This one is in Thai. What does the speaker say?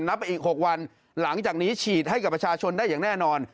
ไปอีก๖วันหลังจากนี้ฉีดให้กับประชาชนได้อย่างแน่นอน